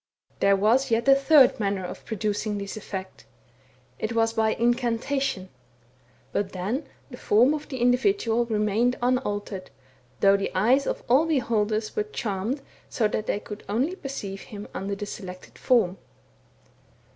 There was yet a third manner of producing this effect — it was by incantation ; but then the form of the individual re mained unaltered, though the eyes of all beholders were charmed so that they could only perceive him under the selected form.